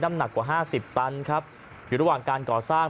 หนักกว่า๕๐ตันครับอยู่ระหว่างการก่อสร้าง